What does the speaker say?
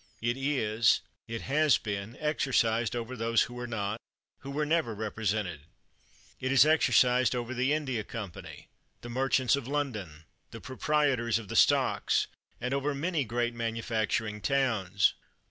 It is, it has been, exercised over those who are not, who were never repre sented. It is exercised over the India Company, the merchants of London, the proprietors of the stocks, and over many great manufacturing towns.